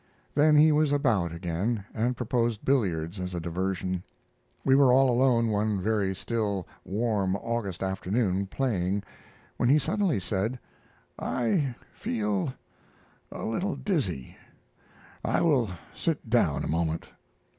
Then he was about again and proposed billiards as a diversion. We were all alone one very still, warm August afternoon playing, when he suddenly said: "I feel a little dizzy; I will sit down a moment."